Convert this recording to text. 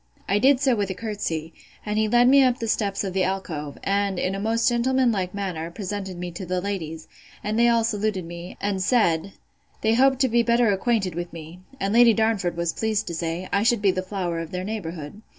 I did so, with a courtesy, and he led me up the steps of the alcove, and, in a most gentleman like manner, presented me to the ladies, and they all saluted me, and said, They hoped to be better acquainted with me: and Lady Darnford was pleased to say, I should be the flower of their neighbourhood.